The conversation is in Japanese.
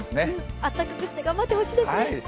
あったかくして頑張ってほしいですね。